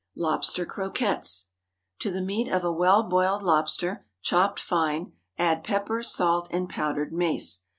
LOBSTER CROQUETTES. ✠ To the meat of a well boiled lobster, chopped fine, add pepper, salt, and powdered mace.